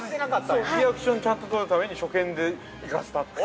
◆そう、リアクションをちゃんと撮るために初見で行かせたという。